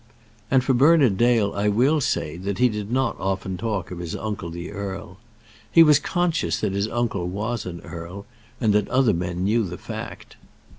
And for Bernard Dale I will say that he did not often talk of his uncle the earl. He was conscious that his uncle was an earl, and that other men knew the fact.